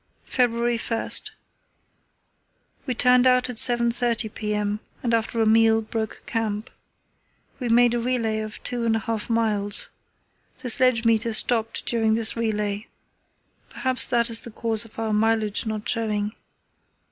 "February 1.—We turned out at 7.30 p.m., and after a meal broke camp. We made a relay of two and a half miles. The sledge meter stopped during this relay. Perhaps that is the cause of our mileage not showing.